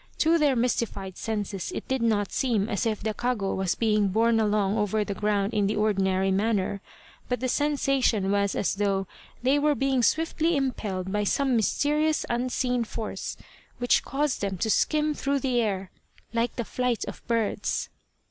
To their mystified senses it did not seem as if the kago was being borne along over the ground in the ordinary manner, but the sensation was as though they were being swiftly impelled by some mysterious unseen force, which caused them to skim through the air like the flight of birds.